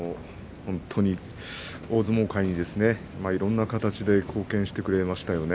大相撲界にいろんな形で貢献してくれましたよね。